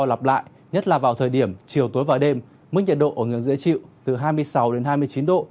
lặp lại nhất là vào thời điểm chiều tối và đêm mức nhiệt độ ở ngưỡng dễ chịu từ hai mươi sáu đến hai mươi chín độ